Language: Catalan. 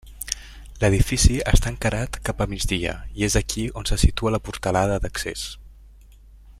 L'edifici està encarat cap a migdia i és aquí on se situa la portalada d'accés.